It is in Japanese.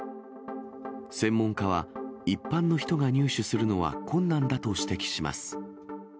専門家は、一般の人が入手するのは困難だと指摘します。